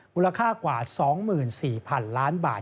มูลค่ากว่า๒๔๐๐๐ล้านบาท